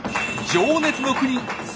情熱の国